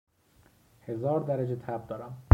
هزار درجه تب دارم